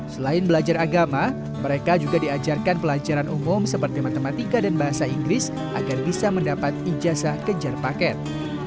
selain belajar agama mereka juga diajarkan pelajaran umum seperti matematika dan bahasa inggris agar bisa mendapat ijazah kejar paket